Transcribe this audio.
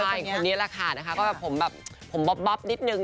คนเนี่ยละค่ะก็แบบผมบอบนิดนึง